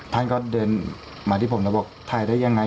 ท่านก็เดินมาที่ผมแล้วบอกถ่ายได้ยังไง